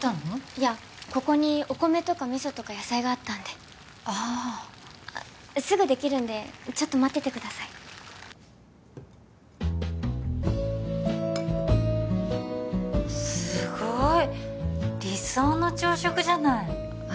いやここにお米とか味噌とか野菜があったんでああすぐできるんでちょっと待っててくださいすごい理想の朝食じゃないあ